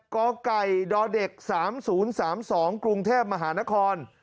๘กด๓๐๓๒กรุงเทพมหานคร